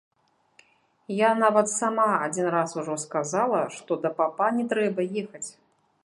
Я нават сама адзін раз ужо сказала, што да папа не трэба ехаць.